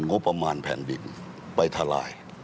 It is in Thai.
งบประมาณแผ่นดินไปทลาย